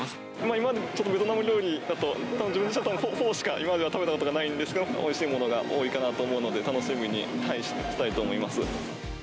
今までちょっとベトナム料理だと、自分はフォーしか今までは食べたことがないんですけど、おいしいものが多いかなと思うので、楽しみにしたいと思います。